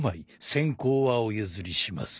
先攻はお譲りします。